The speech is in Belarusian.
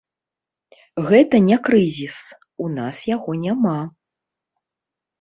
Гэта не крызіс, у нас яго няма.